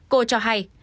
cô cho hay